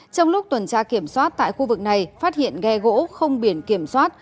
trong lúc tuần tra kiểm soát tại khu vực này phát hiện ghe gỗ không biển kiểm soát